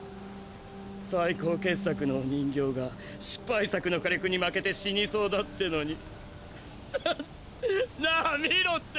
最高傑作のお人形が失敗作の火力に負けて死にそうだってのにはははなァ見ろって！